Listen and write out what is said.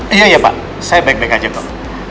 eh ya ya pak saya baik baik aja kok